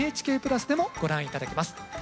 「ＮＨＫプラス」でもご覧頂けます。